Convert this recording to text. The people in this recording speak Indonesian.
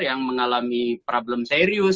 yang mengalami problem serius